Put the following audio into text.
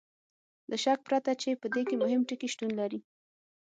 له شک پرته چې په دې کې مهم ټکي شتون لري.